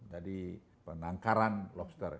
jadi penangkaran lobster